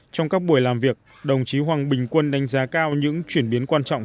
trong các buổi làm việc đồng chí hoàng bình quân đánh giá cao những chuyển biến quan trọng